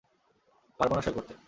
পারব না সই করতে।